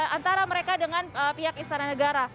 antara mereka dengan pihak istana negara